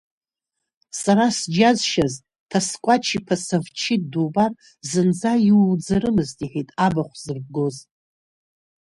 Сара сџьазшьаз Ҭаскәач-иԥа Савчит дубар зынӡа иууӡарымызт, — иҳәеит абахә зырбгоз.